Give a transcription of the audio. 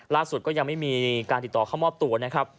ก็ยังไม่มีการติดต่อเข้ามอบตัวนะครับ